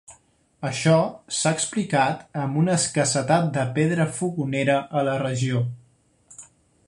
Això s'ha explicat amb una escassetat de pedra fogonera a la regió.